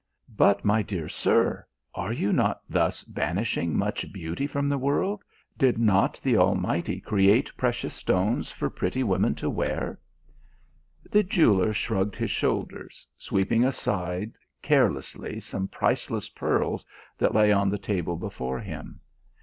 "But, my dear sir, are you not thus banishing much beauty from the world did not the Almighty create precious stones for pretty women to wear?" The jeweller shrugged his shoulders, sweeping aside carelessly some priceless pearls that lay on the table before him.